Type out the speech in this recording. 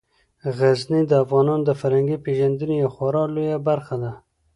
غزني د افغانانو د فرهنګي پیژندنې یوه خورا لویه برخه ده.